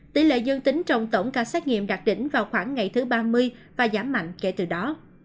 tỷ lệ dương tính trong tổng ca xét nghiệm đạt đỉnh vào khoảng ngày thứ ba mươi và giảm mạnh kể từ đó